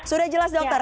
sudah jelas dokter